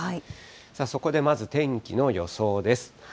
さあ、そこでまず天気の予想です。